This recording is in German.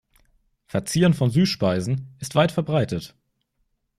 Verzieren von Süßspeisen ist weit verbreitet.